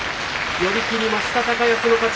寄り切りました高安の勝ち。